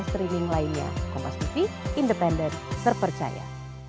streaming lainnya kompas tv independen terpercaya